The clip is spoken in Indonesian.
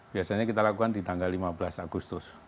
biasanya kita lakukan di tanggal lima belas agustus